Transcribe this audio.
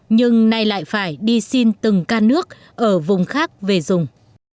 nhưng nay lại phải đi xin từng can nước ở vùng khác về dùng